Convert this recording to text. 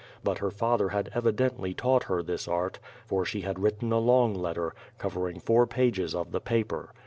But her father had evidently taught her this art, for she had written a long letter, cover ing four pages of the paper.